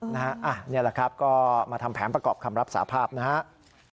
นี่แหละครับก็มาทำแผนประกอบคำรับสาภาพนะครับ